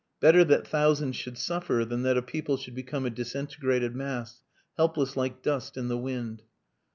Better that thousands should suffer than that a people should become a disintegrated mass, helpless like dust in the wind.